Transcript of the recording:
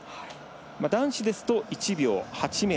男子ですと１秒８ｍ。